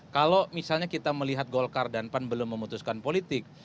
kalau misalnya kita melihat golkar dan pan belum memutuskan politik